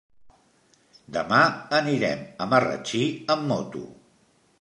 Demà anirem a Marratxí amb moto.